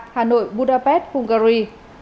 ba hà nội budapest hungary